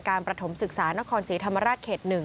ประถมศึกษานครศรีธรรมราชเขต๑